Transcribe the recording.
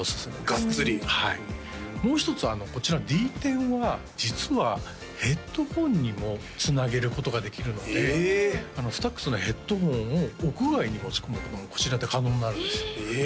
もう一つこちらＤ１０は実はヘッドホンにもつなげることができるのでＳＴＡＸのヘッドホンを屋外に持ち込むこともこちらで可能になるんですよえ